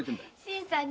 新さん